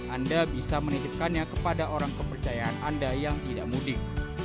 anda bisa menitipkannya kepada orang kepercayaan anda yang tidak mundik